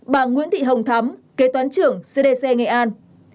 bà nguyễn thị hồng thắm kế toán trưởng cdc nghệ an